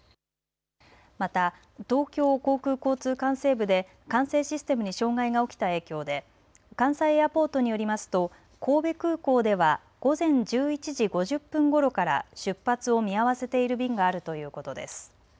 また東京航空交通管制部で管制システムに障害が起きた影響で関西エアポートによりますと神戸空港では午前１１時５０分ごろから出発を見合わせている便があるということです。